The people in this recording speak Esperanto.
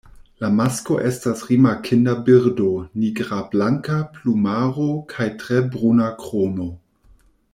La masklo estas rimarkinda birdo nigrablanka plumaro kaj tre bruna krono.